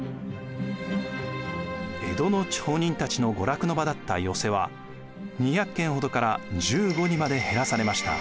江戸の町人たちの娯楽の場だった寄席は２００軒ほどから１５にまで減らされました。